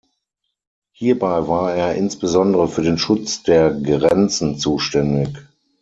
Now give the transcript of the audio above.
Hierbei war er insbesondere für den Schutz der Grenzen zuständig.